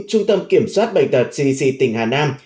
trung tâm kiểm soát bệnh tật cdc tỉnh hà nam